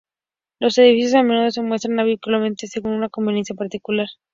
Los edificios a menudo se muestran oblicuamente según una convención particular.